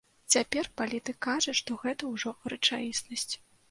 Цяпер палітык кажа, што гэта ўжо рэчаіснасць.